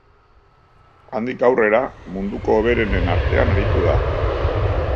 Handik aurrera munduko hoberenen artean aritu da.